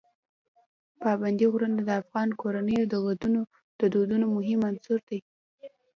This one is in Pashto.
پابندی غرونه د افغان کورنیو د دودونو مهم عنصر دی.